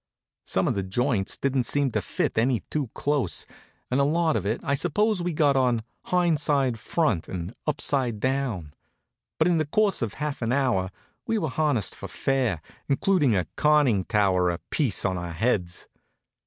Some of the joints didn't seem to fit any too close, and a lot of it I suppose we got on hindside front and upside down, but in the course of half an hour we were harnessed for fair, including a conning tower apiece on our heads.